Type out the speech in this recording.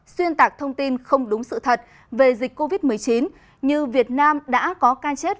xuyên tạc thông tin không đúng sự thật về dịch covid một mươi chín như việt nam đã có ca chết